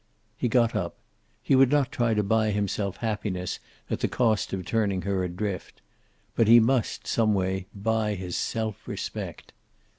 He got up. He would not try to buy himself happiness at the cost of turning her adrift. But he must, some way, buy his self respect.